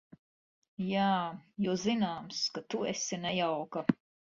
Jā, jo zināms, ka tu esi nejauka.